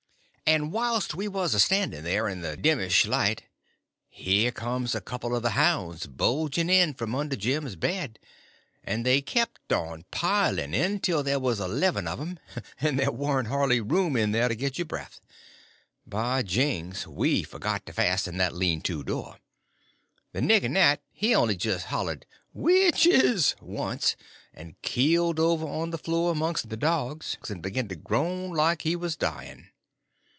And whilst we was a standing there in the dimmish light, here comes a couple of the hounds bulging in from under Jim's bed; and they kept on piling in till there was eleven of them, and there warn't hardly room in there to get your breath. By jings, we forgot to fasten that lean to door! The nigger Nat he only just hollered "Witches" once, and keeled over on to the floor amongst the dogs, and begun to groan like he was dying.